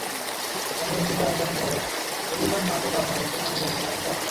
সম্মেলন শেষে আনুষ্ঠানিকভাবে টেলিভিশন নাট্যকার সংঘের পূর্ণাঙ্গ কমিটি গঠন করা হয়।